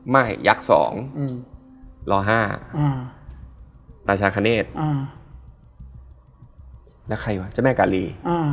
ไม่ยักษ์๒รอ๕ตาชาคเนสและใครวะเจ้าแม่การี